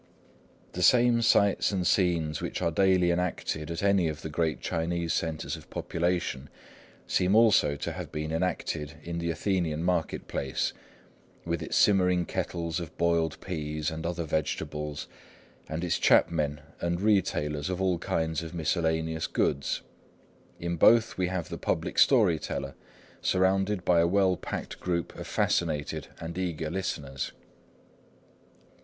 The same sights and scenes which are daily enacted at any of the great Chinese centres of population seem also to have been enacted in the Athenian market place, with its simmering kettles of boiled peas and other vegetables, and its chapmen and retailers of all kinds of miscellaneous goods. In both we have the public story teller, surrounded by a well packed group of fascinated and eager listeners.